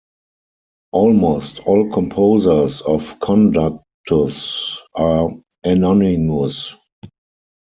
Almost all composers of conductus are anonymous.